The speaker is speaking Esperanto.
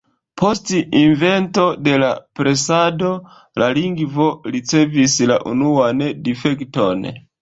Post invento de la presado la lingvo ricevis la unuan difekton.